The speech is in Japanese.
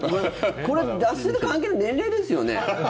これ、脱水と関係ない年齢ですよね？